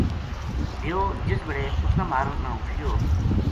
دیو جس بِڑے اُس نا مارن نا اُٹھیو